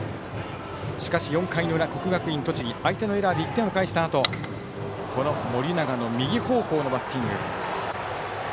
しかし４回の裏、国学院栃木相手のエラーで１点を返したあとこの盛永の右方向のバッティング。